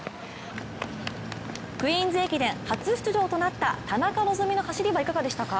クイーンズ駅伝初出場となった田中希実の走りはいかがでしたか？